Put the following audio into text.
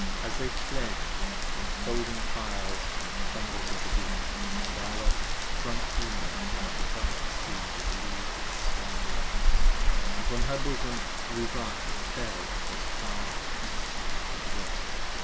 And as they fled in folding fires & thunders of the deep, Vala shrunk in like the dark sea that leaves its slimy banks, And from her bosom Luvah fell far as the east and West.